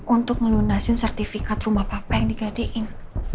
untuk melunasin sertifikat rumah papa yang digadein